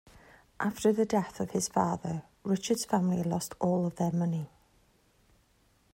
After the death of his father, Richard's family lost all their money.